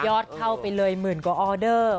เข้าไปเลยหมื่นกว่าออเดอร์